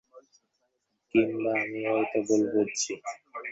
কিম্বা আমি হয়তো ভুল বুঝছি।